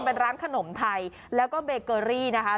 เป็นร้านขนมไทยแล้วก็เบเกอรี่นะคะ